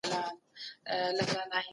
ټکنالوژي د سوداګرۍ پرمختګ لپاره اړينه ده.